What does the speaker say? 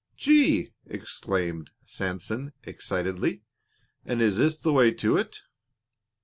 "Gee!" exclaimed Sanson, excitedly. "And is this the way to it?"